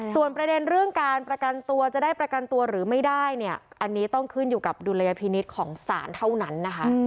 ส่วนประเด็นเรื่องการประกันตัวจะได้ประกันตัวหรือไม่ได้เนี่ยอันนี้ต้องขึ้นอยู่กับดุลยพินิษฐ์ของศาลเท่านั้นนะคะ